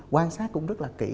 quan sát cũng rất là kỹ